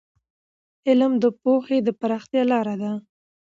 علم د پوهې د پراختیا لار ده.